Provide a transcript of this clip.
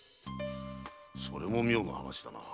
それも妙な話だな。